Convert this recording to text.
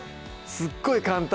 すっごい簡単？